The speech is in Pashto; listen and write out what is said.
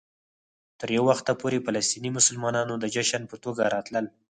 تر یو وخته پورې فلسطيني مسلمانانو د جشن په توګه راتلل.